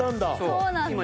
そうなんだ。